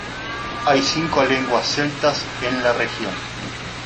Hay cinco lenguas celtas en la región.